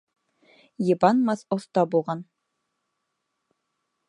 Йыбанмаған оҫта булған